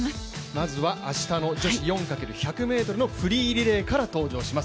まずは、明日の女子４×１００ｍリレーのフリーリレーから登場します